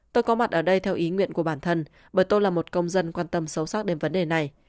tôi có mặt ở đây theo ý nguyện của bản thân bởi tôi là một công dân quan tâm sâu sắc đến vấn đề này